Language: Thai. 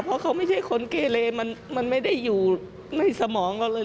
เพราะเขาไม่ใช่คนเกเลมันไม่ได้อยู่ในสมองเราเลย